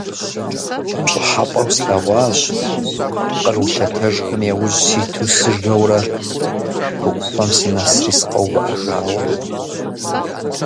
Пщӏыхьэпӏэу слъэгъуащ къру лъэтэжхэм яужь ситу сыжэурэ, хы ӏуфэм сынэсри сыкъэувыӏэжауэ.